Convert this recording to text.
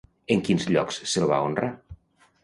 En quins llocs se'l va honrar?